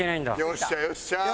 よっしゃよっしゃ！